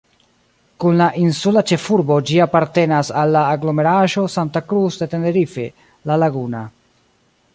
Kun la insula ĉefurbo ĝi apartenas al la aglomeraĵo Santa Cruz de Tenerife-La Laguna.